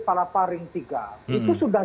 palapa ring tiga itu sudah